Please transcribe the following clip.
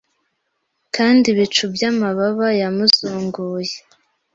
Kandi ibicu byamababa yamuzunguye